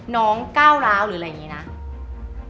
น้องก้าวราวหรืออะไรอย่างงี้นะ